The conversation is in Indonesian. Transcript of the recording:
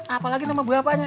apalagi nama buah pak nya